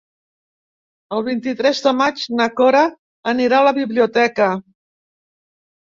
El vint-i-tres de maig na Cora anirà a la biblioteca.